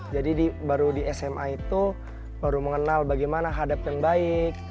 jadi baru di sma itu baru mengenal bagaimana hadap yang baik